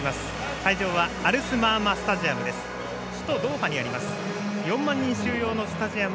会場はアルスマーマスタジアム。